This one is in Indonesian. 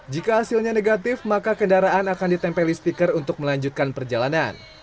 jika hasilnya negatif maka kendaraan akan ditempeli stiker untuk melanjutkan perjalanan